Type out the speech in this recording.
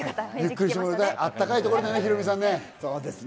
暖かいところでね、ヒロミさん。